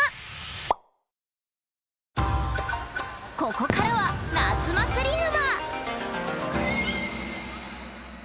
ここからは「夏祭り沼」！